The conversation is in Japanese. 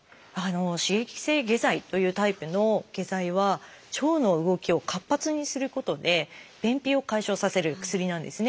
刺激性下剤というタイプの下剤は腸の動きを活発にすることで便秘を解消させる薬なんですね。